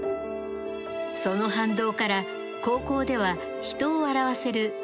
その反動から高校では人を笑わせる落語に熱中。